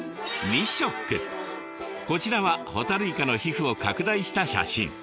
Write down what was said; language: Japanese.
こちらはホタルイカの皮膚を拡大した写真。